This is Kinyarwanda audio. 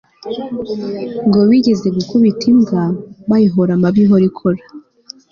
ngo bigeze gukubita imbwa bayihora amabi ihora ikora